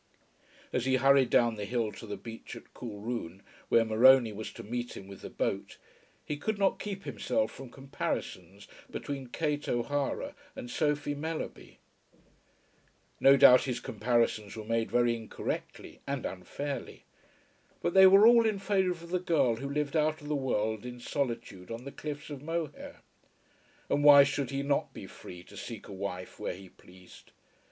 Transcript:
As he hurried down the hill to the beach at Coolroone, where Morony was to meet him with the boat, he could not keep himself from comparisons between Kate O'Hara and Sophie Mellerby. No doubt his comparisons were made very incorrectly, and unfairly; but they were all in favour of the girl who lived out of the world in solitude on the cliffs of Moher. And why should he not be free to seek a wife where he pleased?